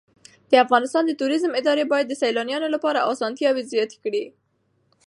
د افغانستان د توریزم اداره باید د سېلانیانو لپاره اسانتیاوې زیاتې کړي.